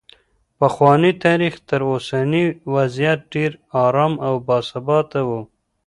پخوانی تاریخ تر اوسني وضعیت ډېر ارام او باثباته و.